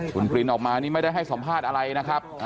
คุณปรินออกมานี่ไม่ได้ให้สัมภาษณ์อะไรนะครับ